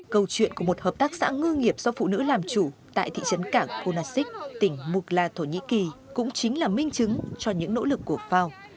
câu chuyện của một hợp tác xã ngư nghiệp do phụ nữ làm chủ tại thị trấn cảng phunasik tỉnh mugla thổ nhĩ kỳ cũng chính là minh chứng cho những nỗ lực của fao